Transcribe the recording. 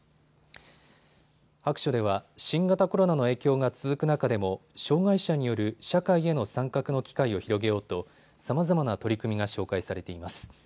白書では新型コロナの影響が続く中でも障害者による社会への参画の機会を広げようとさまざまな取り組みが紹介されています。